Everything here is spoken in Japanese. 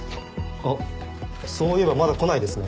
あっそういえばまだ来ないですね。